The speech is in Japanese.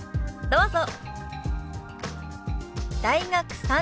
どうぞ。